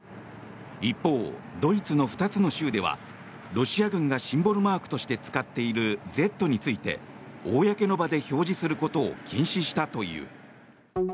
一方、ドイツの２つの州ではロシア軍がシンボルマークとして使っている「Ｚ」について公の場で表示することを禁止したという。